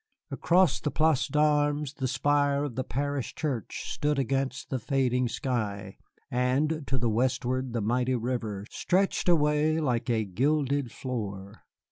Across the Place d'Armes the spire of the parish church stood against the fading sky, and to the westward the mighty river stretched away like a gilded floor.